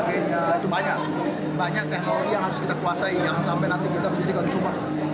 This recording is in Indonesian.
itu banyak banyak teknologi yang harus kita kuasai jangan sampai nanti kita menjadi consumer